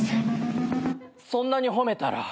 そんなに褒めたら。